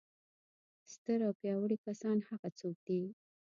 ستر او پیاوړي کسان هغه څوک دي.